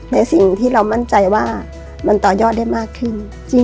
ในสิ่งที่เรามั่นใจว่ามันต่อยอดได้มากขึ้น